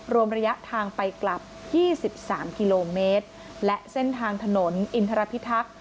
รวมระยะทางไปกลับ๒๓กิโลเมตรและเส้นทางถนนอินทรพิทักษ์